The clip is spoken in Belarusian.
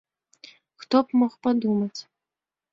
Хто б мог падумаць?!